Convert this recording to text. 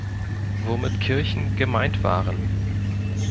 Womit Kirchen gemeint waren.